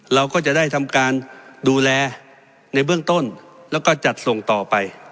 เราก็จะได้ทำการดูแลในเบื้องต้นแล้วก็จัดส่งต่อไป